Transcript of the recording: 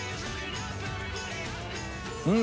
うん！